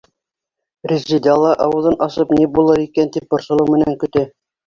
Резеда ла, ауыҙын асып, ни булыр икән тип, борсолоу менән көтә.